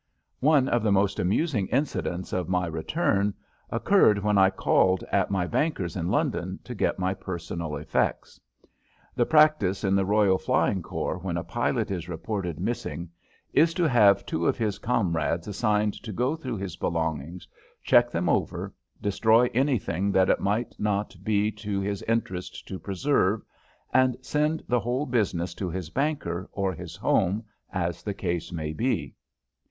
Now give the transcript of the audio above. One of the most amusing incidents of my return occurred when I called at my banker's in London to get my personal effects. The practice in the Royal Flying Corps when a pilot is reported missing is to have two of his comrades assigned to go through his belongings, check them over, destroy anything that it might not be to his interest to preserve, and send the whole business to his banker or his home, as the case may be.